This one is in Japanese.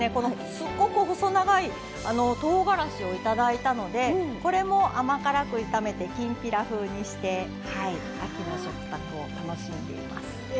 すっごく細長いとうがらしをいただいたのでこれも甘辛く炒めてきんぴら風にして秋の食卓を楽しんでいます。